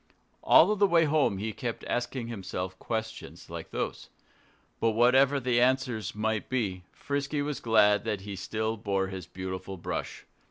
All the way home he kept asking himself questions like those. But whatever the answers might be, Frisky was glad that he still bore that beautiful brush.